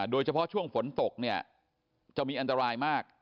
โดยเฉพาะช่วงฝนตกเนี่ยจะมีอันตรายมาก